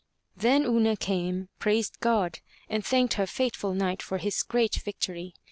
Then Una came, praised God, and thanked her faithful Knight for his great victory.